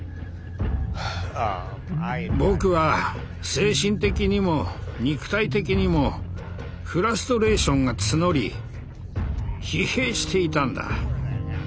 僕は精神的にも肉体的にもフラストレーションが募り疲弊していたんだ。